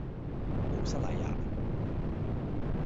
好失禮呀?